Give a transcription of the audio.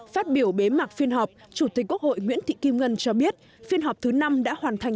phát biểu bế mạc phiên họp chủ tịch quốc hội nguyễn thị kim ngân cho biết phiên họp thứ năm đã hoàn thành